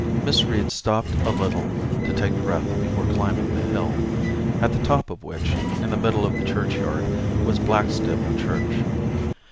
Miss Reed stopped a little to take breath before climbing the hill, at the top of which, in the middle of the churchyard, was Blackstable Church.